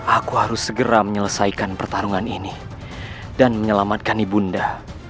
aku harus segera menyelesaikan pertarungan ini dan menyelamatkan ibunda